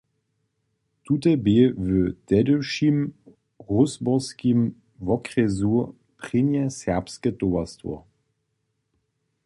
Tute bě w tehdyšim Rózborskim wokrjesu prěnje serbske towarstwo.